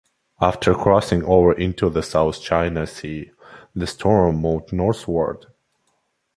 After crossing over into the South China Sea the storm moved northward.